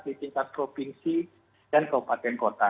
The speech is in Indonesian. di tingkat provinsi dan kabupaten kota